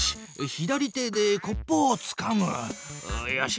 左手でコップをつかむ！よし！